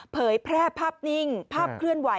เผยแพร่ภาพนิ่งภาพเคลื่อนไห